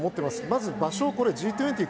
まず場所、Ｇ２０